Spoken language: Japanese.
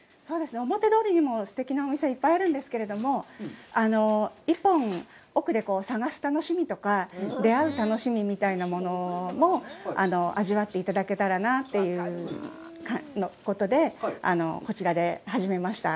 表通りにもすてきなお店がいっぱいあるんですけども、１本奥で探す楽しみとか、出会う楽しみみたいなものも味わっていただけたらなということで、こちらで始めました。